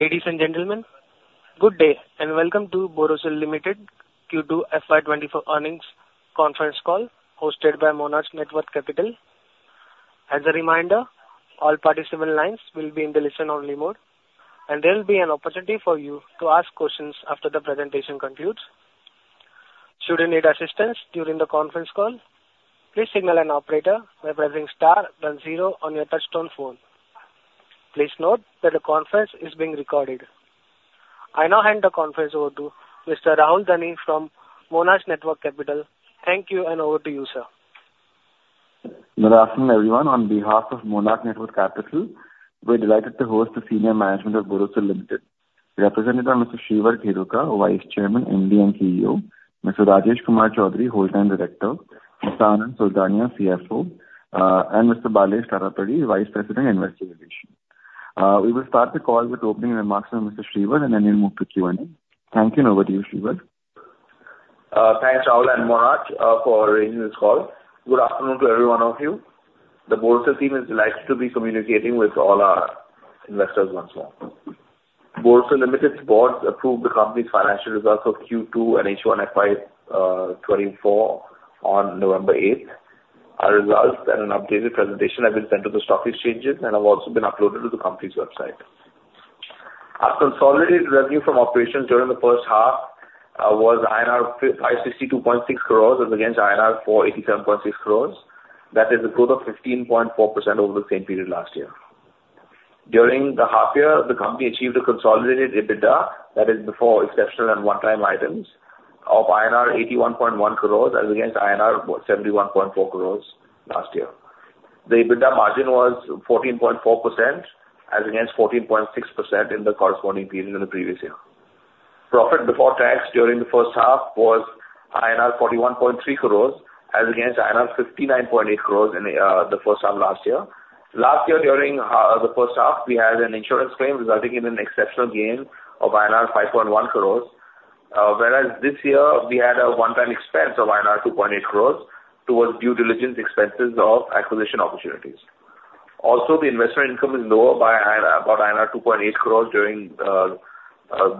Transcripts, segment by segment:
Ladies and gentlemen, good day, and welcome to Borosil Limited Q2 FY 2024 Earnings Conference Call, hosted by Monarch Networth Capital. As a reminder, all participant lines will be in the listen-only mode, and there will be an opportunity for you to ask questions after the presentation concludes. Should you need assistance during the conference call, please signal an Operator by pressing star then zero on your touchtone phone. Please note that the conference is being recorded. I now hand the conference over to Mr. Rahul Dani from Monarch Networth Capital. Thank you, and over to you, sir. Good afternoon, everyone. On behalf of Monarch Networth Capital, we're delighted to host the Senior Management of Borosil Limited, represented by Mr. Shreevar Kheruka, Vice Chairman, MD, and CEO, Mr. Rajesh Kumar Chaudhary, Whole-time Director, Mr. Anand Sultania, CFO, and Mr. Balesh Talapady, Vice President, Investor Relations. We will start the call with opening remarks from Mr. Shreevar Kheruka, and then we'll move to Q&A. Thank you, and over to you, Shreevar. Thanks, Rahul and Monarch, for arranging this call. Good afternoon to everyone. The Borosil team is delighted to be communicating with all our investors once more. Borosil Limited's board approved the company's financial results for Q2 and H1 FY 2024 on November 8. Our results and an updated presentation have been sent to the stock exchanges and have also been uploaded to the company's website. Our consolidated revenue from operations during the first half was INR 562.6 crores as against INR 487.6 crores. That is a growth of 15.4% over the same period last year. During the half year, the company achieved a consolidated EBITDA, that is before exceptional and one-time items, of INR 81.1 crores as against INR 71.4 crores last year. The EBITDA margin was 14.4% as against 14.6% in the corresponding period in the previous year. Profit before tax during the first half was INR 41.3 crores as against INR 59.8 crores in the first half last year. Last year, during the first half, we had an insurance claim resulting in an exceptional gain of INR 5.1 crores. Whereas this year, we had a one-time expense of INR 2.8 crores towards due diligence expenses of acquisition opportunities. Also, the investment income is lower by INR, about 2.8 crores during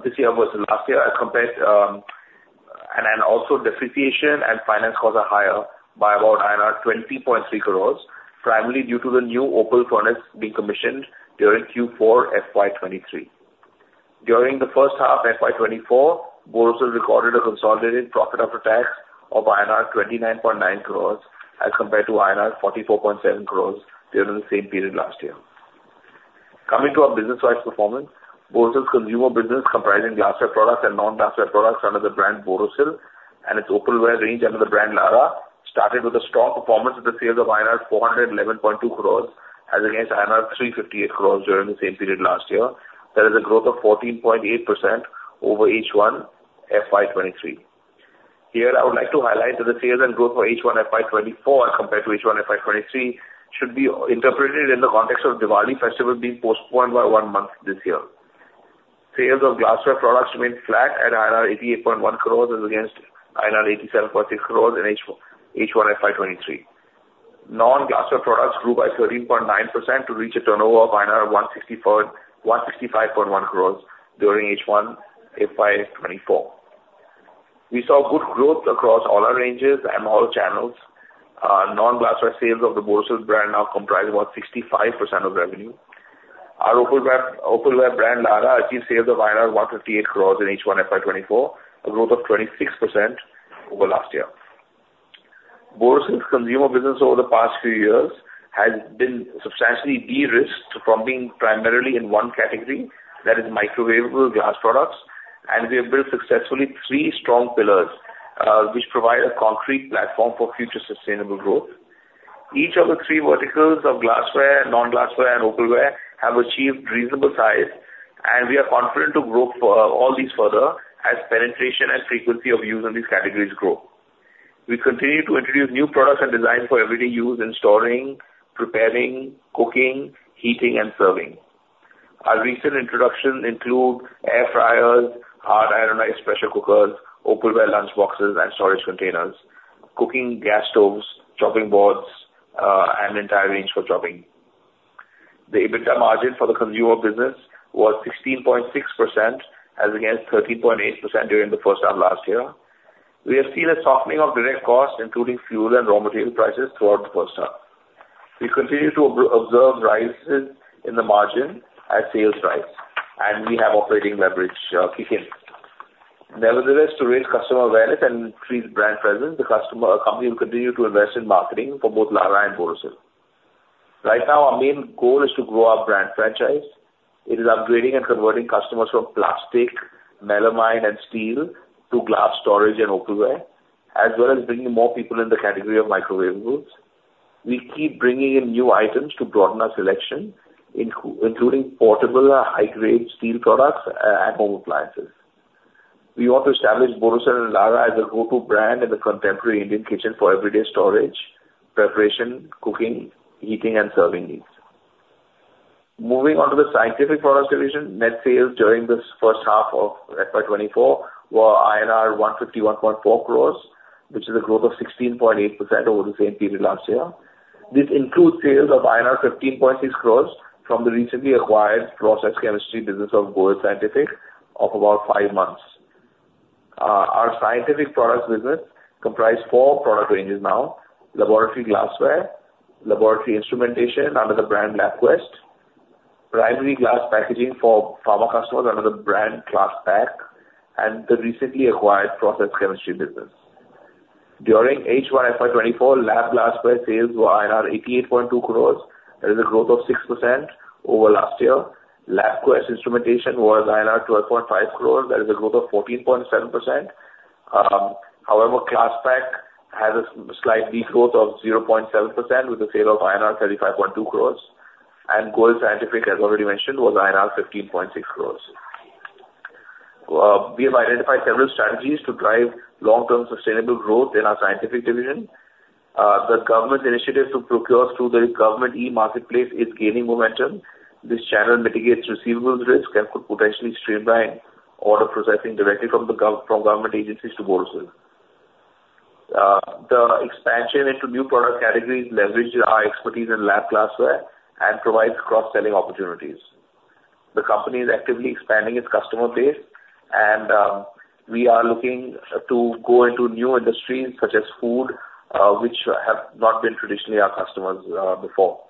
this year versus last year as compared. And then also, depreciation and finance costs are higher by about 20.3 crores, primarily due to the new opal furnace being commissioned during Q4 FY 2023. During the first half FY 2024, Borosil recorded a consolidated profit after tax of INR 29.9 crores as compared to INR 44.7 crores during the same period last year. Coming to our business-wide performance, Borosil's consumer business, comprising glassware products and non-glassware products under the brand Borosil, and its opalware range under the brand Larah, started with a strong performance with the sales of INR 411.2 crores as against INR 358 crores during the same period last year. That is a growth of 14.8% over H1 FY 2023. Here, I would like to highlight that the sales and growth for H1 FY 2024 compared to H1 FY 2023 should be interpreted in the context of Diwali festival being postponed by one month this year. Sales of glassware products remained flat at 88.1 crores as against 87.6 crores in H1 FY 2023. Non-glassware products grew by 13.9% to reach a turnover of 165.1 crores during H1 FY 2024. We saw good growth across all our ranges and all channels. Non-glassware sales of the Borosil brand now comprise about 65% of revenue. Our opalware brand, Larah, achieved sales of INR 158 crores in H1 FY 2024, a growth of 26% over last year. Borosil's consumer business over the past few years has been substantially de-risked from being primarily in one category, that is microwavable glass products, and we have built successfully three strong pillars, which provide a concrete platform for future sustainable growth. Each of the three verticals of glassware, non-glassware, and opalware have achieved reasonable size, and we are confident to grow all these further as penetration and frequency of use on these categories grow. We continue to introduce new products and designs for everyday use in storing, preparing, cooking, heating, and serving. Our recent introductions include air fryers, hard anodized pressure cookers, opalware lunchboxes and storage containers, cooking gas stoves, chopping boards, and an entire range for chopping. The EBITDA margin for the consumer business was 16.6% as against 13.8% during the first half last year. We have seen a softening of direct costs, including fuel and raw material prices, throughout the first half. We continue to observe rises in the margin as sales rise, and we have operating leverage kick in. Nevertheless, to raise customer awareness and increase brand presence, the customer or company will continue to invest in marketing for both Larah and Borosil. Right now, our main goal is to grow our brand franchise. It is upgrading and converting customers from plastic, melamine, and steel to glass storage and opalware, as well as bringing more people in the category of microwavable goods. We keep bringing in new items to broaden our selection, including portable high-grade steel products and home appliances. We want to establish Borosil and Larah as a go-to brand in the contemporary Indian kitchen for everyday storage, preparation, cooking, heating, and serving needs. Moving on to the scientific products division, net sales during this first half of FY 2024 were INR 151.4 crores, which is a growth of 16.8% over the same period last year. This includes sales of INR 15.6 crores from the recently acquired process chemistry business of Goel Scientific of about five months. Our scientific products business comprise four product ranges now: laboratory glassware, laboratory instrumentation under the brand LabQuest, primary glass packaging for pharma customers under the brand Klass Pack, and the recently acquired process chemistry business. During H1 FY2024, lab glassware sales were INR 88.2 crores. That is a growth of 6% over last year. LabQuest instrumentation was INR 12.5 crores. That is a growth of 14.7%. However, Klass Pack has a slight decline growth of 0.7% with a sale of INR 35.2 crores, and Goel Scientific, as already mentioned, was INR 15.6 crores. We have identified several strategies to drive long-term sustainable growth in our scientific division. The government's initiative to procure through the Government e-Marketplace is gaining momentum. This channel mitigates receivables risk and could potentially streamline order processing directly from government agencies to Borosil. The expansion into new product categories leverage our expertise in lab glassware and provides cross-selling opportunities. The company is actively expanding its customer base, and we are looking to go into new industries such as food, which have not been traditionally our customers, before.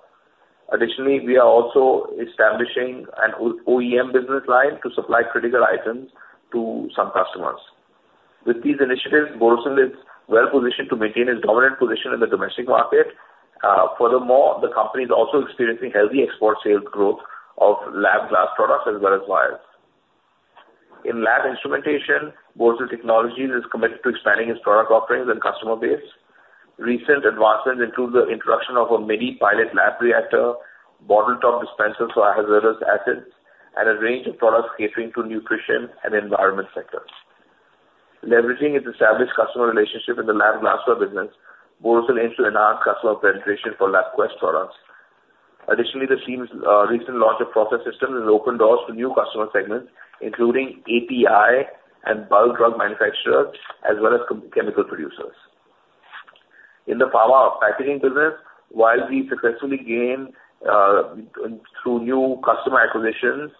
Additionally, we are also establishing an OEM business line to supply critical items to some customers. With these initiatives, Borosil is well positioned to maintain its dominant position in the domestic market. Furthermore, the company is also experiencing healthy export sales growth of lab glass products as well as vials. In lab instrumentation, Borosil Technologies is committed to expanding its product offerings and customer base. Recent advancements include the introduction of a mini pilot lab reactor, bottle top dispenser for hazardous acids, and a range of products catering to nutrition and environment sectors. Leveraging its established customer relationship in the Lab Glassware business, Borosil aims to enhance customer penetration for LabQuest products. Additionally, the team's recent launch of process system has opened doors to new customer segments, including API and bulk drug manufacturers, as well as chemical producers. In the Pharma Packaging business, while we successfully gained through new customer acquisitions,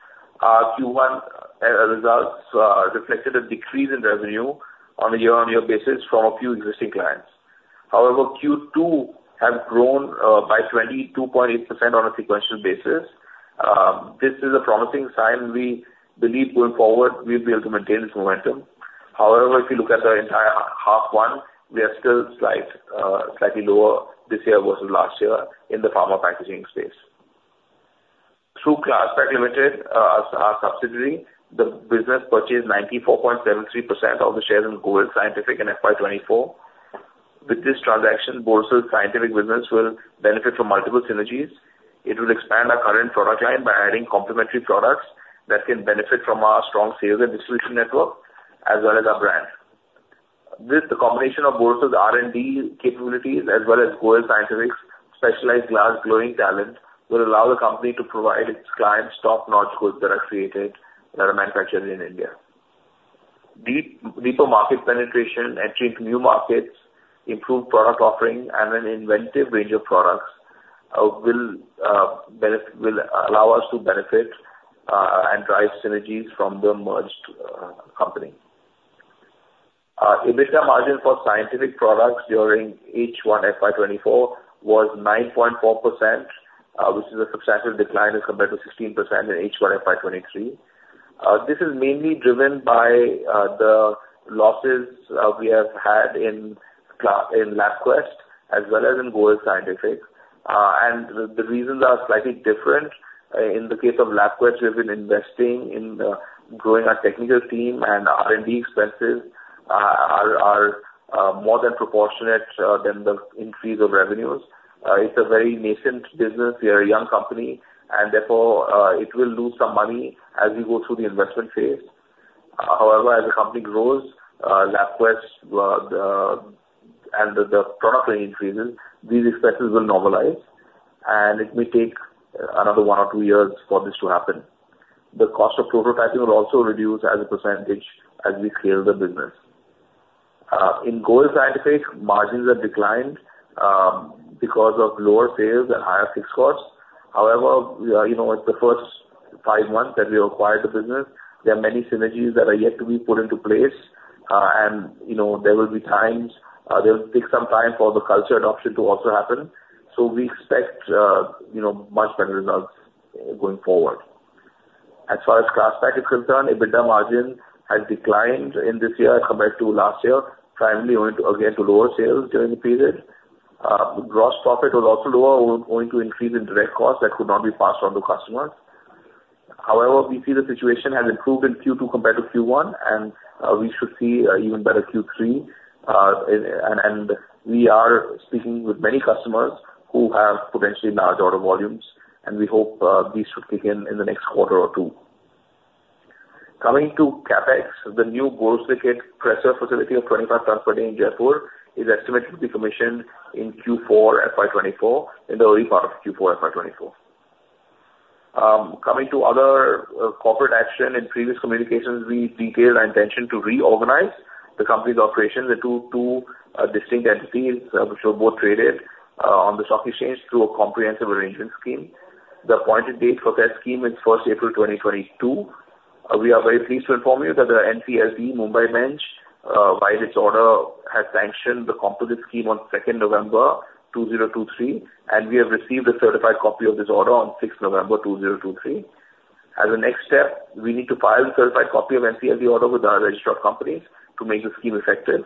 our Q1 results reflected a decrease in revenue on a year-on-year basis from a few existing clients. However, Q2 has grown by 22.8% on a sequential basis. This is a promising sign. We believe going forward, we'll be able to maintain this momentum. However, if you look at the entire H1, we are still slightly lower this year versus last year in the pharma packaging space. Through Klass Pack Limited, our subsidiary, the business purchased 94.73% of the shares in Goel Scientific in FY 2024. With this transaction, Borosil's scientific business will benefit from multiple synergies. It will expand our current product line by adding complementary products that can benefit from our strong sales and distribution network as well as our brand. With the combination of Borosil's R&D capabilities as well as Goel Scientific's specialized glass blowing talent, will allow the company to provide its clients top-notch goods that are created, that are manufactured in India. Deep, deeper market penetration, entry into new markets, improved product offering, and an inventive range of products will allow us to benefit and drive synergies from the merged company. EBITDA margin for scientific products during H1 FY 2024 was 9.4%, which is a substantial decline as compared to 16% in H1 FY 2023. This is mainly driven by the losses we have had in LabQuest as well as in Goel Scientific. And the reasons are slightly different. In the case of LabQuest, we've been investing in growing our technical team and R&D expenses are more than proportionate than the increase of revenues. It's a very nascent business. We are a young company and therefore, it will lose some money as we go through the investment phase. However, as the company grows, LabQuest, the product range increases, these expenses will normalize, and it may take another 1 or 2 years for this to happen. The cost of prototyping will also reduce as a percentage as we scale the business. In Goel Scientific, margins have declined, because of lower sales and higher fixed costs. However, you know, it's the first 5 months that we acquired the business. There are many synergies that are yet to be put into place. And, you know, there will be times that will take some time for the culture adoption to also happen. So we expect, you know, much better results going forward. As far as Klass Pack is concerned, EBITDA margin has declined in this year compared to last year, primarily owing to, again, to lower sales during the period. Gross profit was also lower, owing to increase in direct costs that could not be passed on to customers. However, we see the situation has improved in Q2 compared to Q1, and we should see an even better Q3. And we are speaking with many customers who have potentially large order volumes, and we hope these should kick in in the next quarter or two. Coming to CapEx, the new Goel Scientific pressware facility of 25 tons per day in Jaipur is estimated to be commissioned in Q4 FY 2024, in the early part of Q4 FY 2024. Coming to other corporate action. In previous communications, we detailed our intention to reorganize the company's operations into two distinct entities which are both traded on the stock exchange through a comprehensive arrangement scheme. The appointed date for that scheme is first April, 2022. We are very pleased to inform you that the NCLT Mumbai bench by this order has sanctioned the composite scheme on second November, 2023, and we have received a certified copy of this order on sixth November, 2023. As a next step, we need to file a certified copy of NCLT order with our registrar of companies to make the scheme effective,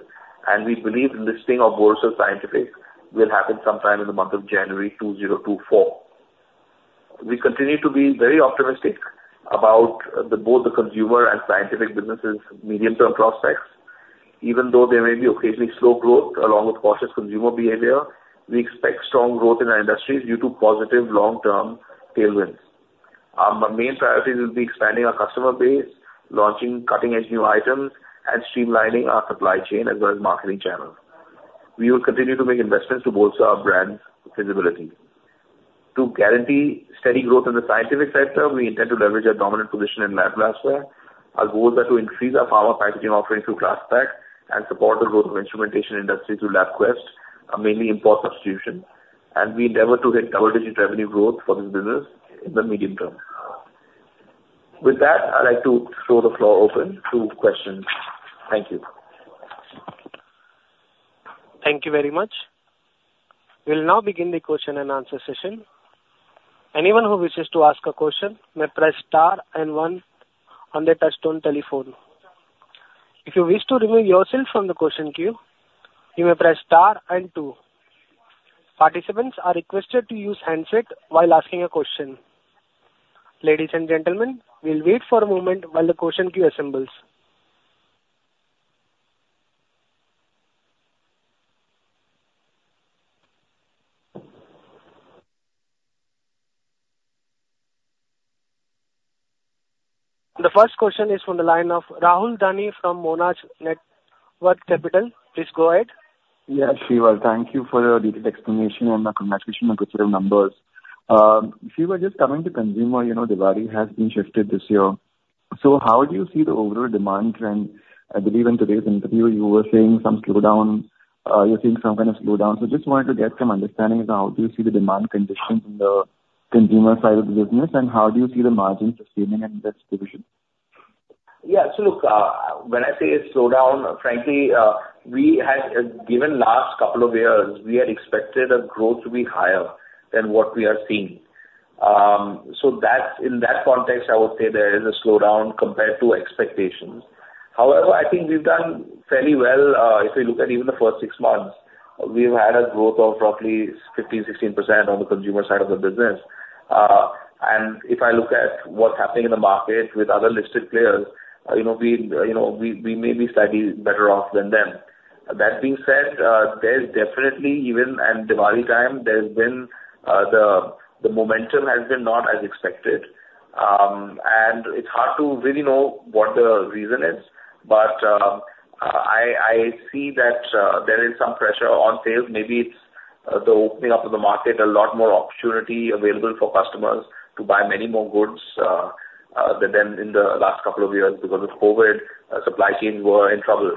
and we believe the listing of Borosil Scientific will happen sometime in the month of January, 2024. We continue to be very optimistic about both the consumer and scientific businesses' medium term prospects. Even though there may be occasionally slow growth along with cautious consumer behavior, we expect strong growth in our industries due to positive long-term tailwinds. Our main priorities will be expanding our customer base, launching cutting-edge new items, and streamlining our supply chain as well as marketing channels. We will continue to make investments to bolster our brand's visibility. To guarantee steady growth in the scientific sector, we intend to leverage our dominant position in lab glassware. Our goals are to increase our pharma packaging offerings through Klass Pack, and support the growth of instrumentation industry through LabQuest, mainly import substitution, and we endeavor to hit double-digit revenue growth for this business in the medium term. With that, I'd like to throw the floor open to questions. Thank you. Thank you very much. We'll now begin the question and answer session. Anyone who wishes to ask a question may press star and one on their touchtone telephone. If you wish to remove yourself from the question queue, you may press star and two. Participants are requested to use handset while asking a question. Ladies and gentlemen, we'll wait for a moment while the question queue assembles. The first question is from the line of Rahul Dani from Monarch Networth Capital. Please go ahead. Yeah, Shreevar, thank you for your detailed explanation and the conversation of the set of numbers. Shreevar, just coming to consumer, you know, Diwali has been shifted this year. So how do you see the overall demand trend? I believe in today's interview you were saying some slowdown, you're seeing some kind of slowdown. So just wanted to get some understanding as to how do you see the demand conditions in the consumer side of the business, and how do you see the margins sustaining in this division? Yeah. So look, when I say a slowdown, frankly, we had, given last couple of years, we had expected a growth to be higher than what we are seeing. So that's in that context, I would say there is a slowdown compared to expectations. However, I think we've done fairly well. If you look at even the first six months, we've had a growth of roughly 15%-16% on the consumer side of the business. And if I look at what's happening in the market with other listed players, you know, we, you know, we, we may be slightly better off than them. That being said, there's definitely, even at Diwali time, there's been, the, the momentum has been not as expected. And it's hard to really know what the reason is, but I see that there is some pressure on sales. Maybe it's the opening up of the market, a lot more opportunity available for customers to buy many more goods than in the last couple of years because of COVID, supply chains were in trouble.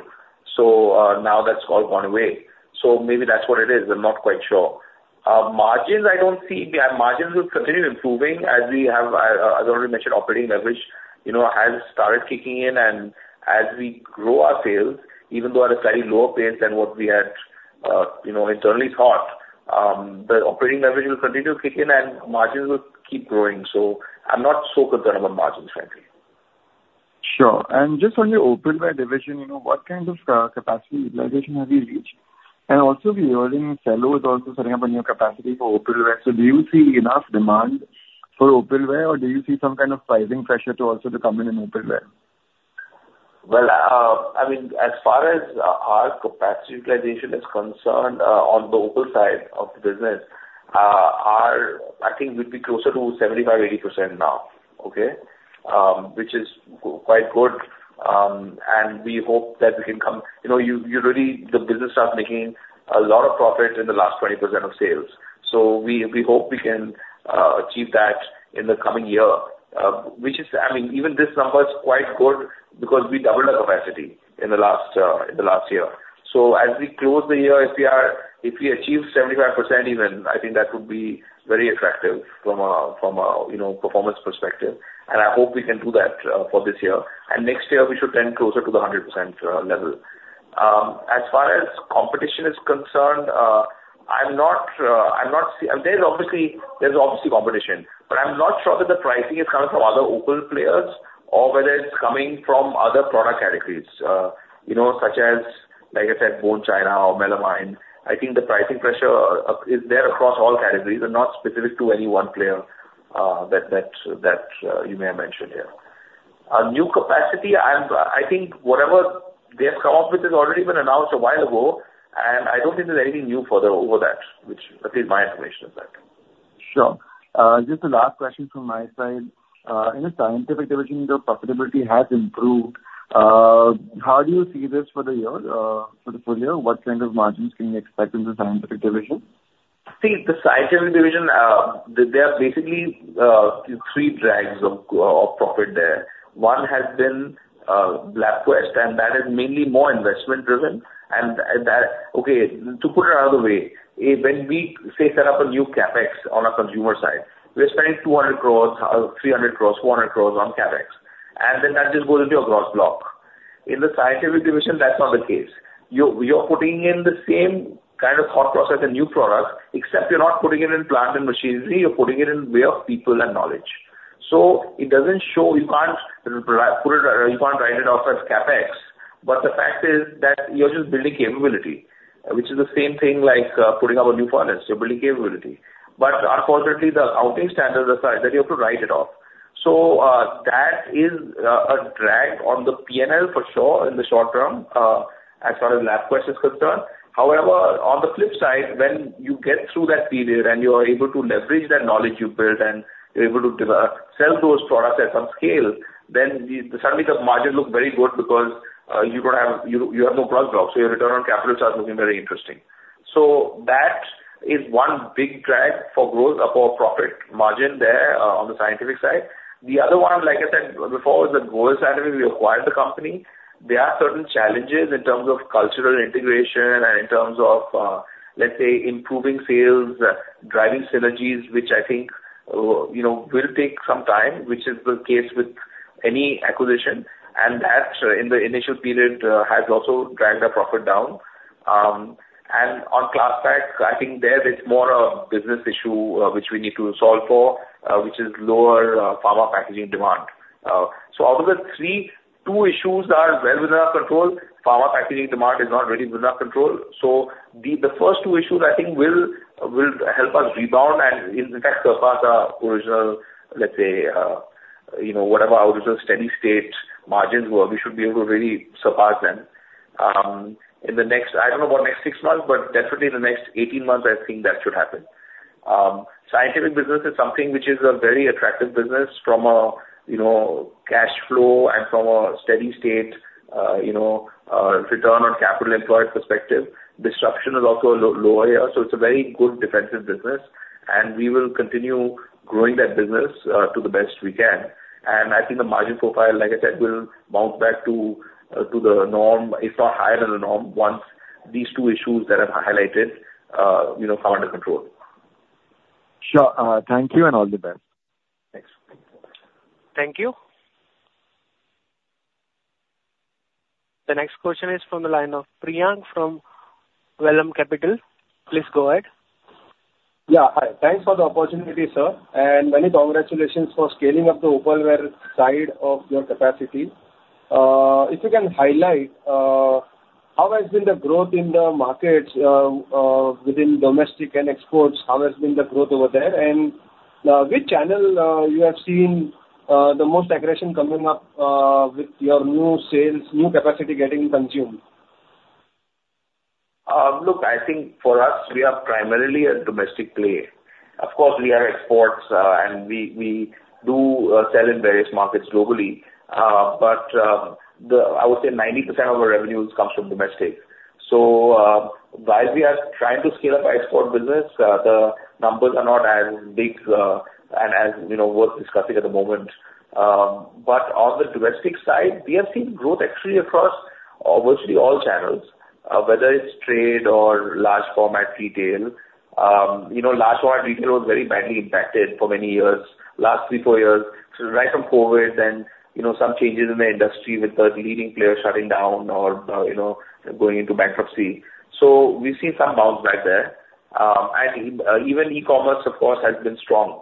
So now that's all gone away. So maybe that's what it is. I'm not quite sure. Margins, I don't see... Yeah, margins will continue improving as we have, as I already mentioned, operating leverage, you know, has started kicking in, and as we grow our sales, even though at a slightly lower pace than what we had, you know, internally thought, the operating leverage will continue to kick in and margins will keep growing. So I'm not so concerned about margins, frankly. Sure. And just on your opalware division, you know, what kind of capacity utilization have you reached? And also, we're hearing Cello is also setting up a new capacity for opalware. So do you see enough demand for opalware, or do you see some kind of pricing pressure to also to come in opalware? Well, I mean, as far as our capacity utilization is concerned, on the opal side of the business, our I think we'd be closer to 75%-80% now, okay? Which is quite good, and we hope that we can come... You know, you really, the business starts making a lot of profit in the last 20% of sales. So we hope we can achieve that in the coming year. Which is, I mean, even this number is quite good because we doubled our capacity in the last year. So as we close the year, if we achieve 75% even, I think that would be very attractive from a, from a, you know, performance perspective, and I hope we can do that for this year. Next year we should tend closer to the 100% level. As far as competition is concerned, there's obviously, there's obviously competition, but I'm not sure that the pricing is coming from other opal players or whether it's coming from other product categories, you know, such as, like I said, bone china or melamine. I think the pricing pressure is there across all categories and not specific to any one player that you may have mentioned here. Our new capacity, I think whatever they have come up with has already been announced a while ago, and I don't think there's anything new further over that, which at least my information is that. Sure. Just the last question from my side. In the scientific division, the profitability has improved. How do you see this for the year, for the full year? What kind of margins can we expect in the scientific division? See, the scientific division, there are basically three drags of profit there. One has been LabQuest, and that is mainly more investment driven. And that—okay, to put it another way, if when we say set up a new CapEx on our consumer side, we're spending 200 crores, 300 crores, 400 crores on CapEx, and then that just goes into your gross block. In the scientific division, that's not the case. You're putting in the same kind of thought process and new product, except you're not putting it in plant and machinery, you're putting it in way of people and knowledge. So it doesn't show, you can't put it, you can't write it off as CapEx. But the fact is that you're just building capability, which is the same thing like putting up a new furnace. You're building capability. But unfortunately, the accounting standards aside, that you have to write it off. So, that is a drag on the PNL for sure, in the short term, as far as LabQuest is concerned. However, on the flip side, when you get through that period and you are able to leverage that knowledge you've built, and you're able to sell those products at some scale, then suddenly the margins look very good because you don't have, you have no cross blocks, so your return on capital starts looking very interesting. So that is one big drag for growth of our profit margin there, on the scientific side. The other one, like I said before, is that Goel Scientific, we acquired the company. There are certain challenges in terms of cultural integration and in terms of, let's say, improving sales, driving synergies, which I think, you know, will take some time, which is the case with any acquisition, and that in the initial period, has also dragged our profit down. And on Klass Pack, I think there it's more a business issue, which we need to solve for, which is lower, pharma packaging demand. So out of the three, two issues are well within our control. Pharma packaging demand is not really within our control. So the first two issues, I think, will help us rebound and in fact, surpass our original, let's say, you know, whatever our steady state margins were, we should be able to really surpass them. In the next, I don't know about next six months, but definitely in the next eighteen months, I think that should happen. Scientific business is something which is a very attractive business from a, you know, cash flow and from a steady state, return on capital employed perspective. Disruption is also lower here, so it's a very good defensive business, and we will continue growing that business to the best we can. And I think the margin profile, like I said, will bounce back to the norm, if not higher than the norm, once these two issues that I've highlighted come under control. Sure. Thank you, and all the best. Thanks. Thank you. The next question is from the line of Priyank from Vallum Capital. Please go ahead. Yeah, hi. Thanks for the opportunity, sir, and many congratulations for scaling up the opalware side of your capacity. If you can highlight how the growth in the markets within domestic and exports has been, how has the growth been over there? And which channel you have seen the most aggression coming up with your new sales, new capacity getting consumed? Look, I think for us, we are primarily a domestic player. Of course, we are exports, and we do sell in various markets globally. But I would say 90% of our revenues comes from domestic. So while we are trying to scale up our export business, the numbers are not as big, and as, you know, worth discussing at the moment. But on the domestic side, we have seen growth actually across virtually all channels, whether it's trade or large format retail. You know, large format retail was very badly impacted for many years, last three, four years. So right from COVID, then, you know, some changes in the industry with the leading players shutting down or, you know, going into bankruptcy. So we've seen some bounce back there. Even e-commerce, of course, has been strong.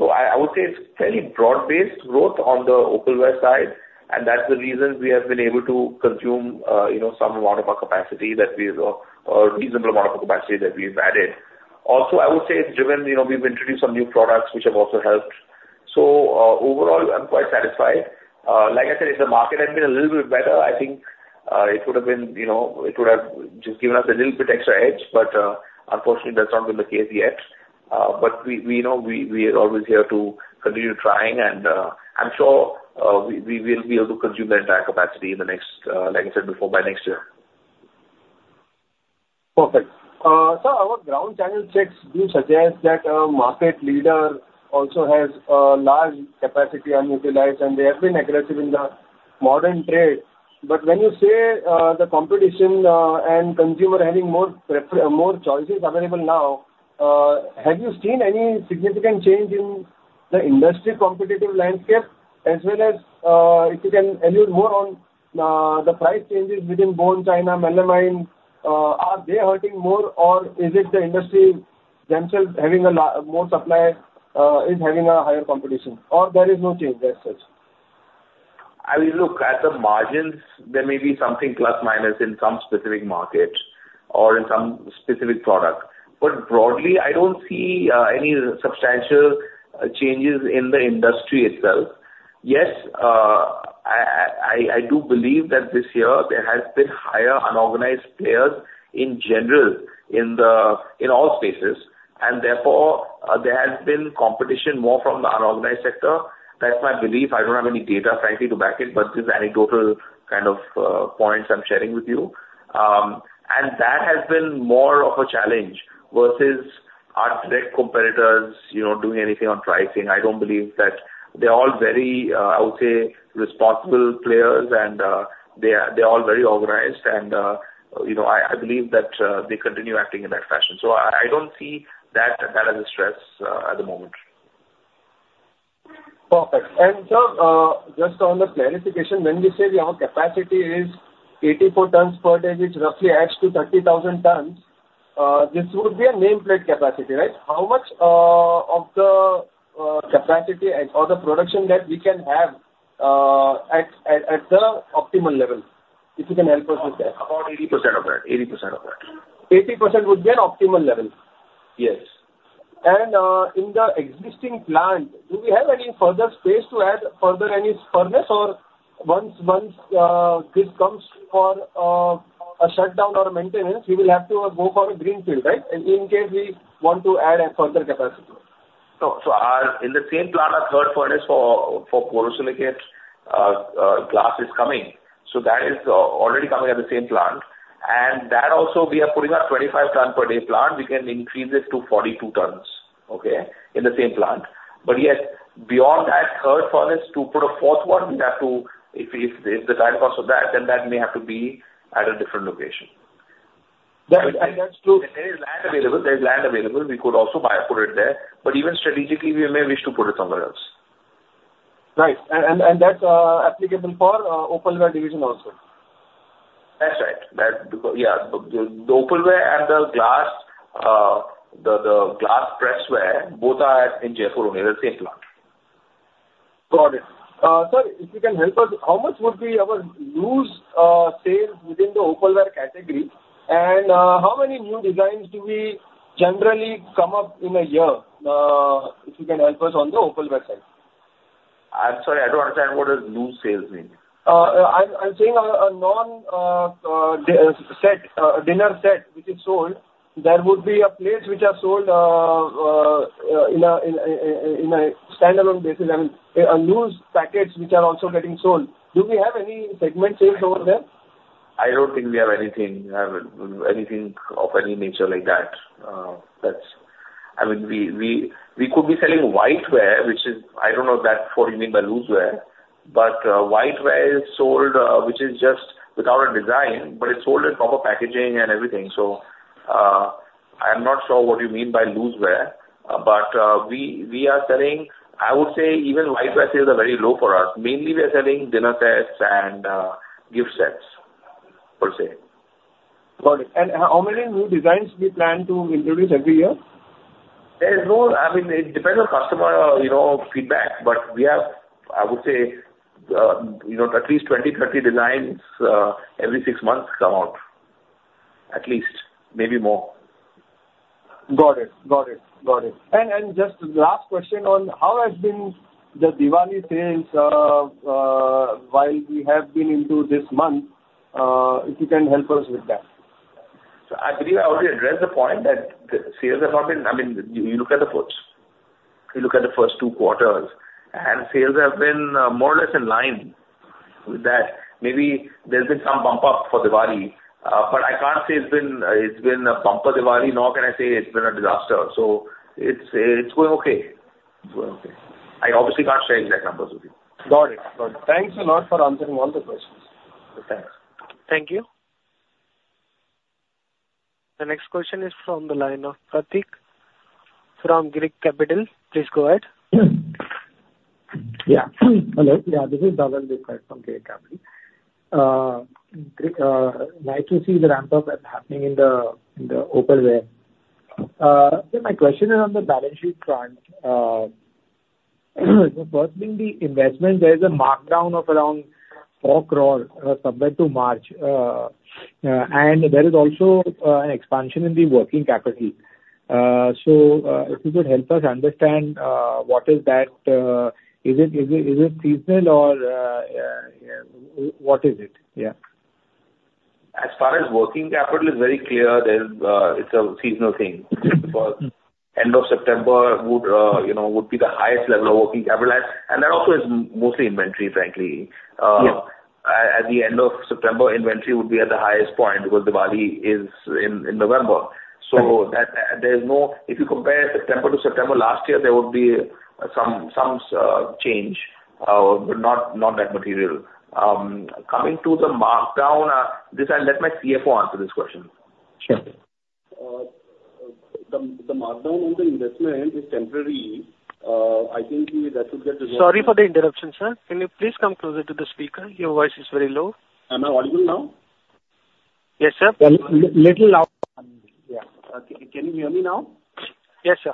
So I would say it's fairly broad-based growth on the opalware side, and that's the reason we have been able to consume you know some amount of our capacity that we a reasonable amount of capacity that we've added. Also, I would say it's driven you know we've introduced some new products which have also helped. So overall, I'm quite satisfied. Like I said, if the market had been a little bit better, I think it would have been you know it would have just given us a little bit extra edge. But unfortunately, that's not been the case yet. But we know we are always here to continue trying, and I'm sure we will be able to consume the entire capacity in the next, like I said before, by next year. Perfect. Sir, our ground channel checks do suggest that market leader also has a large capacity unutilized, and they have been aggressive in the modern trade. But when you say the competition and consumer having more choices available now, have you seen any significant change in the industry competitive landscape, as well as if you can allude more on the price changes within bone china, melamine? Are they hurting more, or is it the industry themselves having more supply is having a higher competition, or there is no change as such? I mean, look, at the margins, there may be something plus, minus in some specific markets or in some specific product, but broadly, I don't see any substantial changes in the industry itself. Yes, I do believe that this year there has been higher unorganized players in general, in all spaces. And therefore, there has been competition more from the unorganized sector. That's my belief. I don't have any data, frankly, to back it, but just anecdotal kind of points I'm sharing with you. And that has been more of a challenge versus our direct competitors, you know, doing anything on pricing. I don't believe that. They're all very, I would say, responsible players, and they are, they're all very organized. And you know, I believe that they continue acting in that fashion. I don't see that as a stress at the moment. Perfect. And, sir, just on the clarification, when we say your capacity is 84 tons per day, which roughly adds to 30,000 tons, this would be a nameplate capacity, right? How much of the capacity or the production that we can have at the optimal level? If you can help us with that. About 80% of that. 80% of that. 80% would be an optimal level? Yes. In the existing plant, do we have any further space to add further any furnace? Or once this comes for a shutdown or maintenance, we will have to go for a greenfield, right? In case we want to add a further capacity. So our— In the same plant, our third furnace for borosilicate glass is coming, so that is already coming at the same plant. And that also, we are putting our 25 ton per day plant. We can increase it to 42 tons, okay, in the same plant. But yes, beyond that third furnace, to put a fourth one, we have to... If the trade-offs of that, then that may have to be at a different location. That, and that's true. There is land available. There's land available. We could also buy, put it there, but even strategically, we may wish to put it somewhere else. Right. And that's applicable for opalware division also? That's right. That's because, yeah, the opalware and the glass pressware, both are in Jaipur, in the same plant. Got it. Sir, if you can help us, how much would be our loose sales within the opalware category? And, how many new designs do we generally come up in a year, if you can help us on the opalware side? I'm sorry, I don't understand. What does loose sales mean? I'm saying a non-set dinner set, which is sold. There would be a plates which are sold in a standalone basis. I mean, loose packets which are also getting sold. Do we have any segment sales over there? I don't think we have anything, anything of any nature like that. That's, I mean, we could be selling whiteware, which is, I don't know if that's what you mean by looseware, but whiteware is sold, which is just without a design, but it's sold in proper packaging and everything. So, I'm not sure what you mean by looseware, but we are selling. I would say even whiteware sales are very low for us. Mainly, we are selling dinner sets and gift sets, per se. Got it. How many new designs do you plan to introduce every year? I mean, it depends on customer, you know, feedback, but we have, I would say, you know, at least 20, 30 designs every six months come out, at least, maybe more. Got it. Got it. Got it. And just last question on how has been the Diwali sales while we have been into this month, if you can help us with that? So I believe I already addressed the point that the sales have not been... I mean, you look at the first, you look at the first 2 quarters, and sales have been, more or less in line with that. Maybe there's been some bump up for Diwali, but I can't say it's been, it's been a bumper Diwali, nor can I say it's been a disaster. So it's, it's going okay. It's going okay. I obviously can't share exact numbers with you. Got it. Got it. Thanks a lot for answering all the questions. Thanks. Thank you. The next question is from the line of Pratik from Girik Capital. Please go ahead. Yeah. Hello, yeah, this is Dhaval Shah from Girik Capital. Nice to see the ramp-up that's happening in the opalware. So my question is on the balance sheet front. The first being the investment, there is a markdown of around 4 crore as compared to March, and there is also an expansion in the working capital. So, if you could help us understand, what is that? Is it seasonal or what is it? Yeah. As far as working capital is very clear, there's, it's a seasonal thing. Because end of September would, you know, would be the highest level of working capital. And that also is mostly inventory, frankly. Yeah. At the end of September, inventory would be at the highest point, because Diwali is in November. Right. So that there's no. If you compare September to September last year, there would be some change, but not that material. Coming to the markdown, this I'll let my CFO answer this question. Sure. The markdown on the investment is temporary. I think we... That would get- Sorry for the interruption, sir. Can you please come closer to the speaker? Your voice is very low. Am I audible now? Yes, sir. Little loud. Yeah. Can you hear me now? Yes, sir.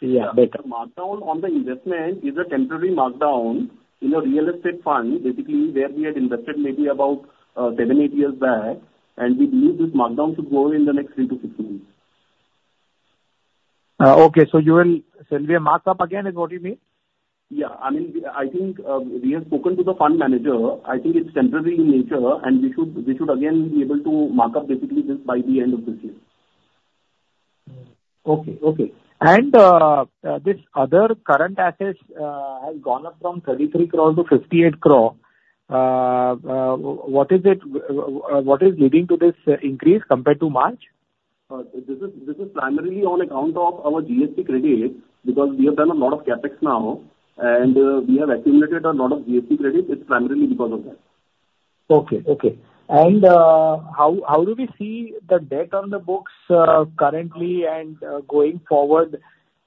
Yeah, better. The markdown on the investment is a temporary markdown in a real estate fund, basically, where we had invested maybe about 7-8 years back, and we believe this markdown should go away in the next 3-6 months. Okay. So you will - So we are marked up again, is what you mean? Yeah, I mean, I think, we have spoken to the fund manager. I think it's temporary in nature, and we should, we should again be able to mark up basically this by the end of this year. Okay, okay. This other current assets has gone up from 33 crores - 58 crore. What is it, what is leading to this increase compared to March? This is primarily on account of our GST credits, because we have done a lot of CapEx now, and we have accumulated a lot of GST credits. It's primarily because of that. Okay, okay. How do we see the debt on the books currently and going forward,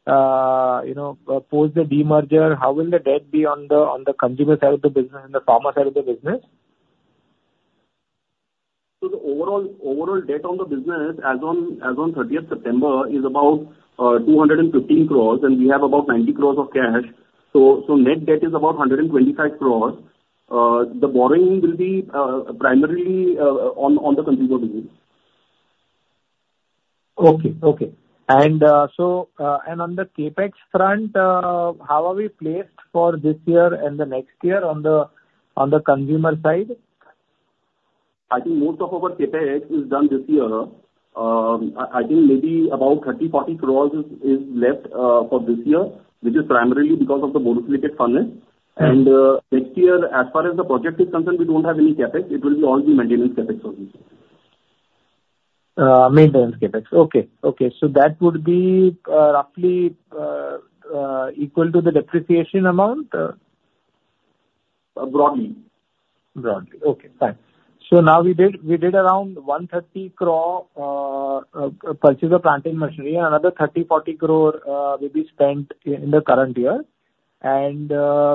you know, post the demerger? How will the debt be on the consumer side of the business and the pharma side of the business? So the overall debt on the business as on thirtieth September is about 215 crores, and we have about 90 crores of cash. So net debt is about 125 crores. The borrowing will be primarily on the consumer business. Okay, okay. And so on the CapEx front, how are we placed for this year and the next year on the consumer side? I think most of our CapEx is done this year. I think maybe about 30-40 crore is left for this year, which is primarily because of the borosilicate furnace. Right. Next year, as far as the project is concerned, we don't have any CapEx. It will be all the maintenance CapEx for this year. Maintenance CapEx. Okay, okay. So that would be, roughly, equal to the depreciation amount? Broadly. Broadly. Okay, fine. So now we did around 130 crore purchase of planting machinery and another 30-40 crore will be spent in the current year. And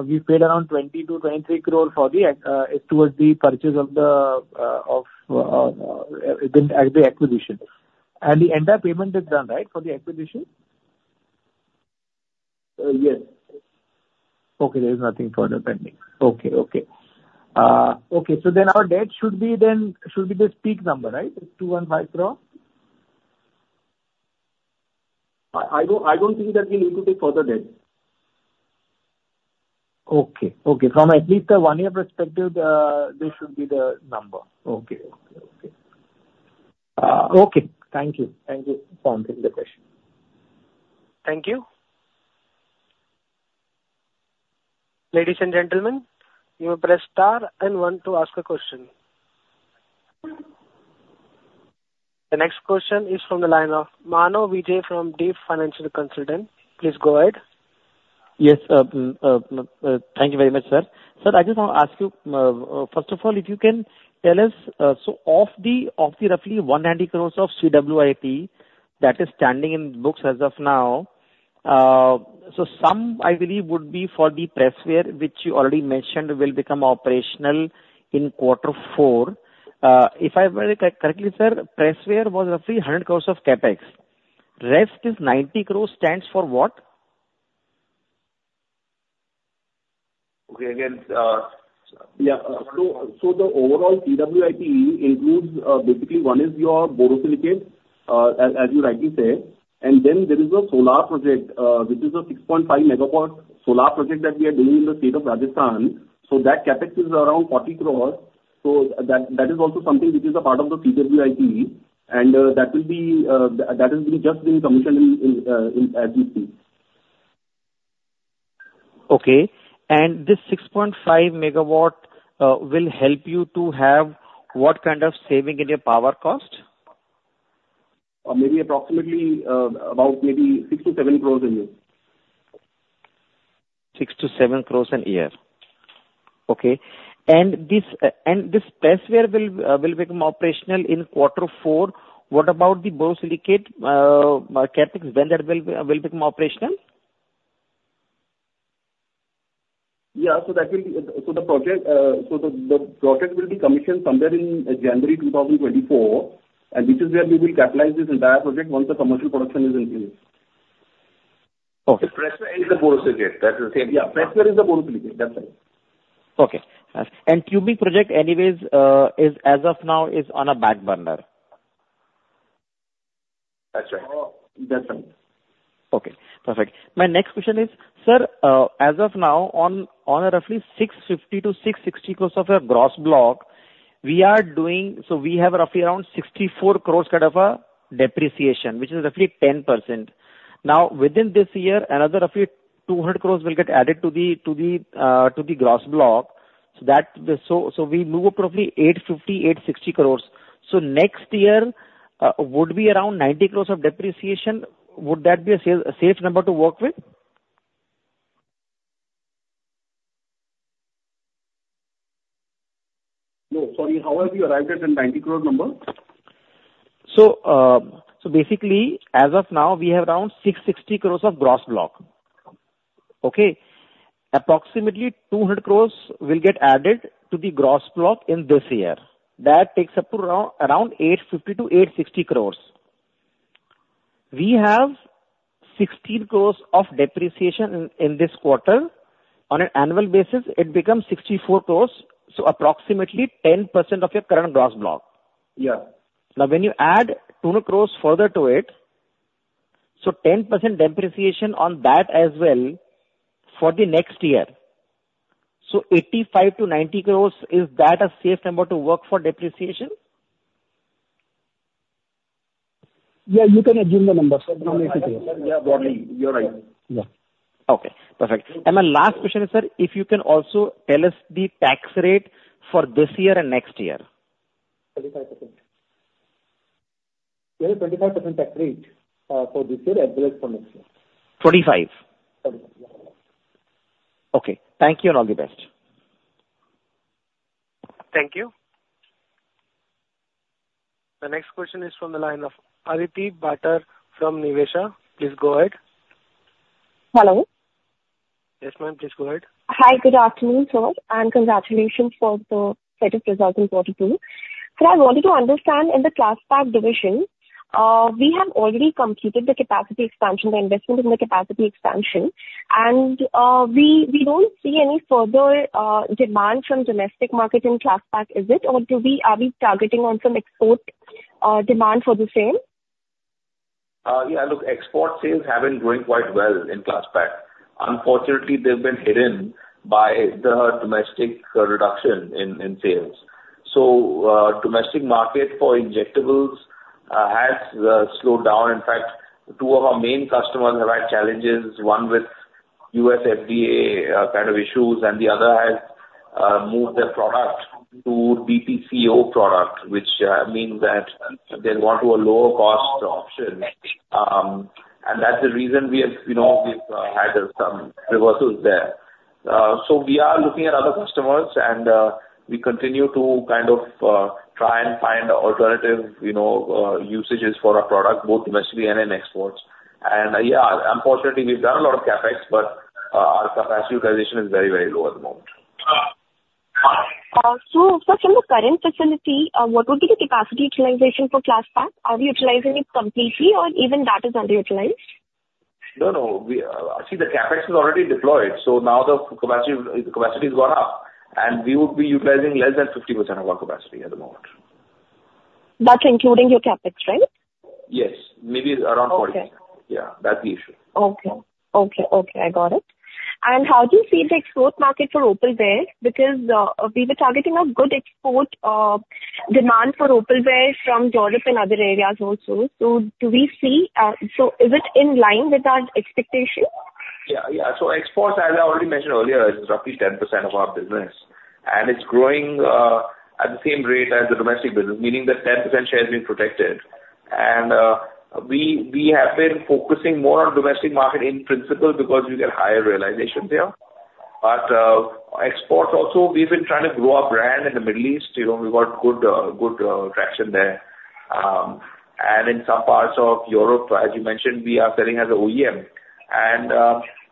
we paid around 20-23 crore towards the purchase of the at the acquisition. And the entire payment is done, right, for the acquisition? Uh, yes. Okay, there is nothing further pending. Okay, okay. Okay, so then our debt should be then, should be this peak number, right? 215 crore. I don't think that we need to take further debt. Okay, okay. From at least a 1-year perspective, this should be the number. Okay, okay, okay. Okay, thank you. Thank you for answering the question. Thank you. Ladies and gentlemen, you may press star and one to ask a question. The next question is from the line of Manav Vijay from Deep Financial Consultants. Please go ahead. Yes, thank you very much, sir. Sir, I just want to ask you, first of all, if you can tell us, so of the, of the roughly 190 crore of CWIP that is standing in the books as of now, so some, I believe, would be for the pressware, which you already mentioned will become operational in quarter four. If I heard correctly, sir, pressware was roughly 100 crore of CapEx. Rest is 90 crore stands for what? Okay, again, yeah. So, so the overall CWIP includes, basically one is your borosilicate, as, as you rightly said, and then there is a solar project, which is a 6.5 MW solar project that we are doing in the state of Rajasthan. So that CapEx is around 40 crore. So that, that is also something which is a part of the CWIP, and, that will be, that, that has been just been commissioned in, in, as we speak. Okay. And this 6.5 MW will help you to have what kind of saving in your power cost? Maybe approximately, about maybe 6-7 crores a year. 6-7 crore a year. Okay. And this pressware will become operational in quarter four. What about the borosilicate CapEx? When that will become operational? Yeah. So that will be... so the project will be commissioned somewhere in January 2024, and this is where we will capitalize this entire project once the commercial production is increased. Okay. Pressware is a borosilicate. That's the same thing. Yeah, pressware is a borosilicate. That's right. Okay. And cubic project anyways, is as of now is on a back burner? That's right. That's right. Okay, perfect. My next question is, sir, as of now, on a roughly 650-660 crore of your gross block, we are doing. So we have roughly around 64 crore kind of a depreciation, which is roughly 10%. Now, within this year, another roughly 200 crore will get added to the gross block. So we move up roughly 850-860 crore. So next year, would be around 90 crore of depreciation. Would that be a safe number to work with? No, sorry, how have you arrived at the 90 crore number? So basically, as of now, we have around 660 crore of gross block. Okay? Approximately 200 crore will get added to the gross block in this year. That takes up to around 850-860 crore. We have 16 crore of depreciation in this quarter. On an annual basis, it becomes 64 crore, so approximately 10% of your current gross block. Yeah. Now, when you add 200 crore further to it. So 10% depreciation on that as well for the next year. So 85 crore-90 crore, is that a safe number to work for depreciation? Yeah, you can assume the numbers for now. Yeah, broadly, you're right. Yeah. Okay, perfect. My last question is, sir, if you can also tell us the tax rate for this year and next year? 25%. We have a 25% tax rate for this year and next year. Twenty-five? Twenty-five, yeah. Okay. Thank you, and all the best. Thank you. The next question is from the line of Aditi Bhattad from Niveshaay. Please go ahead. Hello. Yes, ma'am, please go ahead. Hi, good afternoon, sir, and congratulations for the set of results in 42. So I wanted to understand in the Klass Pack division, we have already completed the capacity expansion, the investment in the capacity expansion, and, we don't see any further, demand from domestic market in Klass Pack, is it? Or are we targeting on some export, demand for the same? Yeah, look, export sales have been growing quite well in Klass Pack. Unfortunately, they've been hidden by the domestic reduction in sales. So, domestic market for injectables has slowed down. In fact, two of our main customers have had challenges, one with U.S. FDA kind of issues, and the other has moved their product to BPCO product, which means that they want a lower cost option. And that's the reason we have, you know, we've had some reversals there. So we are looking at other customers, and we continue to kind of try and find alternative, you know, usages for our product, both domestically and in exports. And, yeah, unfortunately, we've done a lot of CapEx, but our capacity utilization is very, very low at the moment. Sir, from the current facility, what would be the capacity utilization for Klass Pack? Are we utilizing it completely or even that is underutilized? No, no. Actually, the CapEx is already deployed, so now the capacity, the capacity has gone up, and we would be utilizing less than 50% of our capacity at the moment. That's including your CapEx, right? Yes. Maybe around 40. Okay. Yeah, that's the issue. Okay. Okay, okay, I got it. And how do you see the export market for opalware? Because, we were targeting a good export, demand for opalware from Europe and other areas also. So do we see, so is it in line with our expectations? Yeah, yeah. So exports, as I already mentioned earlier, is roughly 10% of our business, and it's growing at the same rate as the domestic business, meaning that 10% share has been protected. And we have been focusing more on domestic market in principle because we get higher realizations there. But exports also, we've been trying to grow our brand in the Middle East. You know, we've got good traction there. And in some parts of Europe, as you mentioned, we are selling as an OEM. And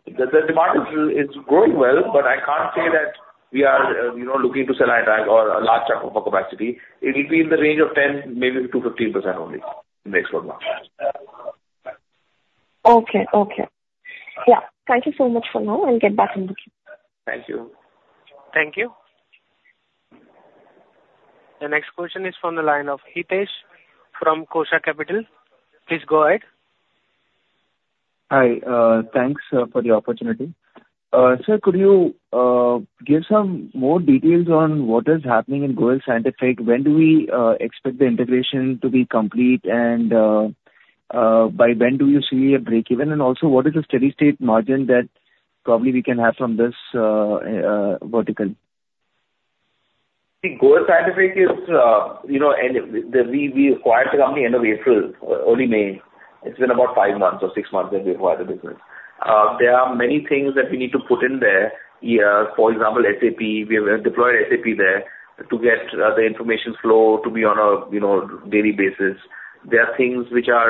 the demand is growing well, but I can't say that we are, you know, looking to sell a large chunk of our capacity. It will be in the range of 10%-15% only in the export market. Okay, okay. Yeah. Thank you so much for now, I'll get back in touch. Thank you. Thank you. The next question is from the line of Hitesh from Kotak Capital. Please go ahead. Hi, thanks for the opportunity. Sir, could you give some more details on what is happening in Goel Scientific? When do we expect the integration to be complete? And, by when do you see a break even, and also what is the steady state margin that probably we can have from this vertical? The Goel Scientific is, you know, and we acquired the company end of April, early May. It's been about five months or six months since we acquired the business. There are many things that we need to put in there. For example, SAP, we have deployed SAP there to get the information flow to be on a, you know, daily basis. There are things which are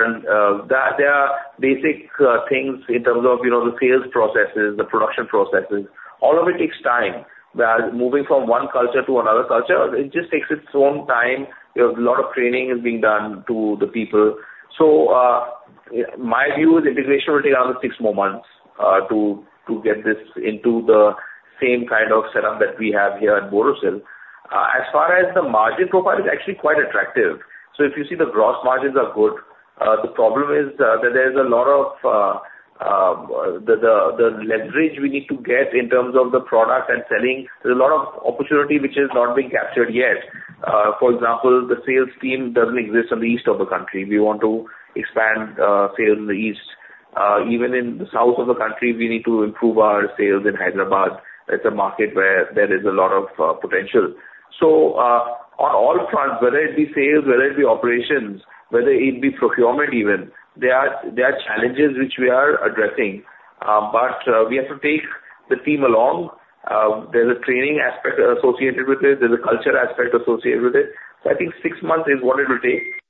there. There are basic things in terms of, you know, the sales processes, the production processes. All of it takes time. While moving from one culture to another culture, it just takes its own time. There's a lot of training is being done to the people. So, my view is integration will take another six more months to get this into the same kind of setup that we have here at Borosil. As far as the margin profile, it's actually quite attractive. So if you see the gross margins are good. The problem is that there's a lot of the leverage we need to get in terms of the product and selling. There's a lot of opportunity which is not being captured yet. For example, the sales team doesn't exist on the east of the country. We want to expand sales in the east. Even in the south of the country, we need to improve our sales in Hyderabad. It's a market where there is a lot of potential. So, on all fronts, whether it be sales, whether it be operations, whether it be procurement even, there are challenges which we are addressing, but we have to take the team along. There's a training aspect associated with it. There's a culture aspect associated with it. So I think six months is what it will take.